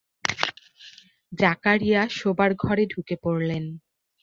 জাকারিয়া শোবার ঘরে ঢুকে পড়লেন।